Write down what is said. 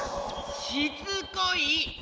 しつこい！